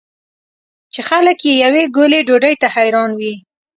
چې خلک یې یوې ګولې ډوډۍ ته حیران وي.